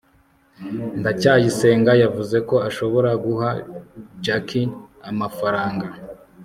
ndacyayisenga yavuze ko ashobora guha jaki amafaranga